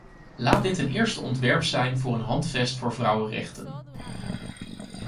Laat dit een eerste ontwerp zijn voor een handvest voor vrouwenrechten.